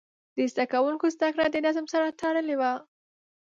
د زده کوونکو زده کړه د نظم سره تړلې وه.